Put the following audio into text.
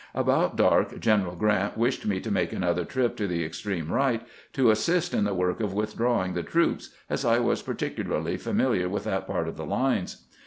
About dark Greneral Grant wished me to make another trip to the extreme right, to assist in the work of withdrawing the troops, as I was particularly familiar with that part of the lines.